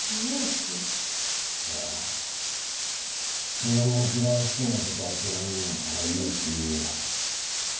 自分の一番好きなことを諦めるんやから勇気いるやろ。